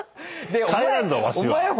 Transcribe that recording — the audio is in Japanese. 帰らんぞわしは。